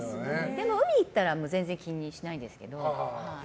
でも海に行ったら全然気にしないですけど。